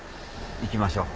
行きましょう。